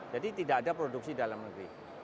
jadi tidak ada produksi dalam negeri